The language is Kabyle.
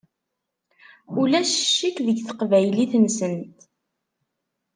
Ulac ccek deg teqbaylit-nsent.